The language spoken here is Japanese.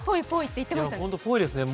本当、ぽいですね。